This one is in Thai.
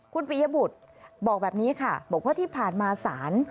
คุณปียบุตรบอกแบบนี้ค่ะบอกว่าที่ผ่านมาศาล